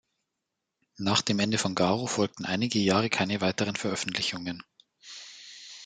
Nach dem Ende von "Garo" folgten einige Jahre keine weiteren Veröffentlichungen.